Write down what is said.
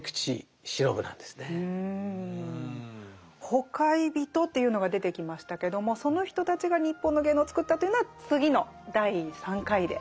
「ほかひびと」というのが出てきましたけどもその人たちが日本の芸能を作ったというのは次の第３回で。